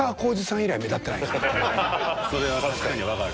それは確かにわかる。